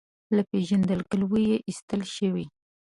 له پېژندګلوۍ یې ایستل شوی.